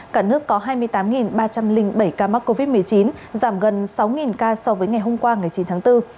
cả nước có hai mươi tám ba trăm linh bảy ca mắc covid một mươi chín giảm gần sáu ca so với ngày hôm qua ngày chín tháng bốn